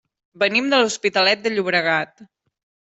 Venim de l'Hospitalet de Llobregat.